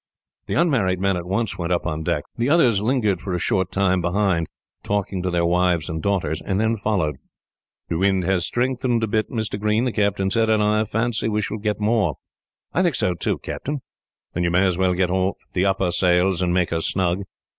The unmarried men at once went up on deck. The others lingered for a short time behind, talking to their wives and daughters, and then followed. "The wind has strengthened a bit, Mr. Green," the captain said, "and I fancy we shall get more." "I think so, too, Captain." "Then you may as well get off the upper sails, and make her snug.